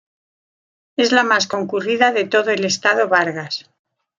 Es la más concurrida de todo el Estado Vargas.